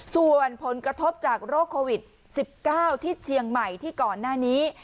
ส่วนผลกระทบจากโรคโควิด๑๙ที่เชียงใหม่ที่ก่อนหน้านี้